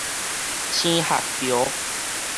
青礐橋